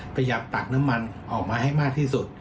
ขยับตักน้ำมันออกมาให้มากที่สุด